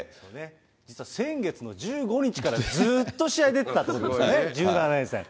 実は先月の１５日からずっと試合出てたってことですね、１７連戦。